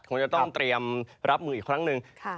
คงจะต้องเตรียมรับมืออีกครั้งหนึ่ง